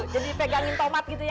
jadi pegangin tomat gitu ya